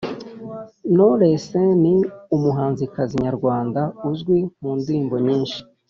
knowless ni umuhanzikazi nyarwanda uzwi mundirimbo nyinshi